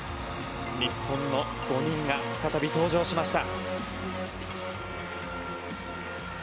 日本の５人が再び登場しました。